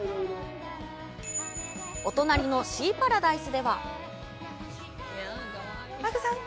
お隣のシーパラダイスではアグさん。